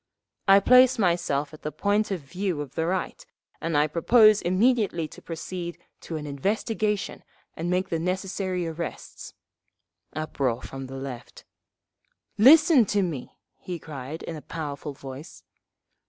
"… I place myself at the point of view of the Right, and I propose immediately to proceed to an investigation and make the necessary arrests." (Uproar from the Left.) "Listen to me!" he cried in a powerful voice.